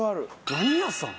何屋さん？